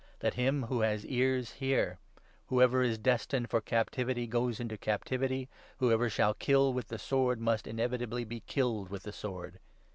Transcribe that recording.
Let 9 him who has ears hear. ' Whoever is destined for captivity 10 goes into captivity.' Whoever shall kill with the sword must inevitably be killed with the sword.